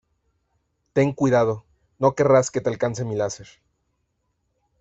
Ten cuidado. No querrás que te alcance mi láser .